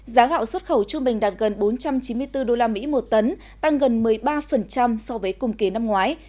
giá gạo xuất khẩu trung bình đạt gần bốn trăm chín mươi bốn usd một tấn tăng gần một mươi ba so với cùng kỳ năm ngoái